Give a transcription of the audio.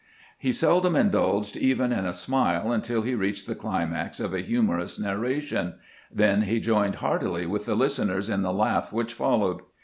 He seldom indulged even in a smile until he reached the climax of a humorous narration; then he joined heartily with the listeners in the laugh which followed.